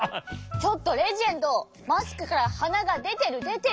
ちょっとレジェンドマスクからはながでてるでてる！